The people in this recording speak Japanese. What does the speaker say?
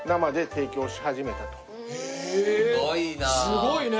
すごいな。